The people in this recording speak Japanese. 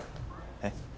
えっ？